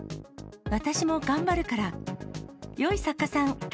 私も頑張るから！